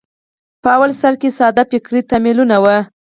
په لومړي سر کې ساده فکري تمایلونه وو